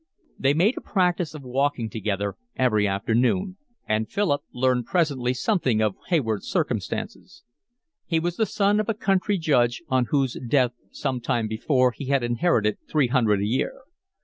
They made a practice of walking together every afternoon, and Philip learned presently something of Hayward's circumstances. He was the son of a country judge, on whose death some time before he had inherited three hundred a year.